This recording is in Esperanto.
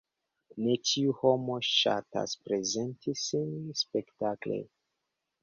Ne ĉiu homo ŝatas prezenti sin spektakle.